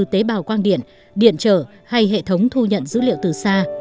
tế bào quang điện điện trở hay hệ thống thu nhận dữ liệu từ xa